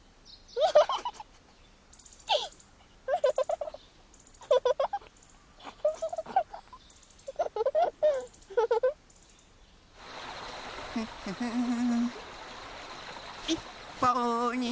ウフフフ。